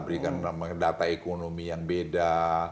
berikan data ekonomi yang beda